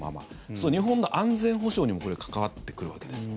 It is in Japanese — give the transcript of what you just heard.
そうすると日本の安全保障にもこれ、関わってくるわけです。